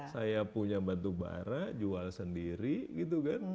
saya punya batu bara jual sendiri gitu kan